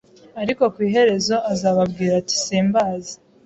ariko ku iherezo azababwira ati Simbazi